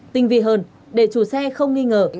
tinh vị hơn để chủ xe không nghi ngờ